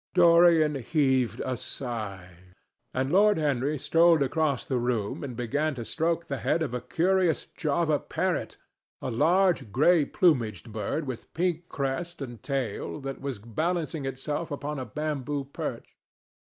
Dorian heaved a sigh, and Lord Henry strolled across the room and began to stroke the head of a curious Java parrot, a large, grey plumaged bird with pink crest and tail, that was balancing itself upon a bamboo perch.